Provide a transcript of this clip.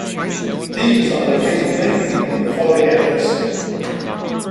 These are located mainly in the following areas.